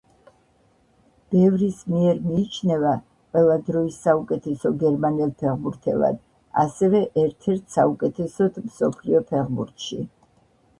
ბევრის მიერ მიიჩნევა ყველა დროის საუკეთესო გერმანელ ფეხბურთელად; ასევე ერთ-ერთ საუკეთესოდ მსოფლიო ფეხბურთში.